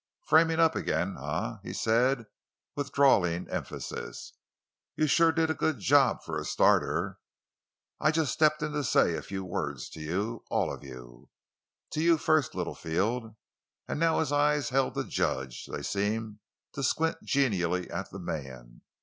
"Framing up—again, eh?" he said, with drawling emphasis. "You sure did a good job for a starter. I just stepped in to say a few words to you—all of you. To you first, Littlefield." And now his eyes held the judge—they seemed to squint genially at the man.